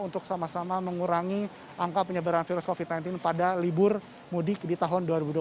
untuk sama sama mengurangi angka penyebaran virus covid sembilan belas pada libur mudik di tahun dua ribu dua puluh satu